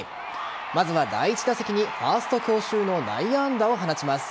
まずは第１打席にファースト強襲の内野安打を放ちます。